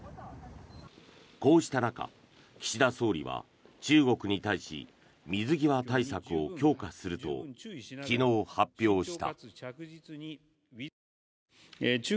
こうした中岸田総理は、中国に対し水際対策を強化すると昨日発表した。